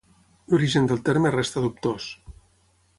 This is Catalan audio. L'origen del terme resta dubtós.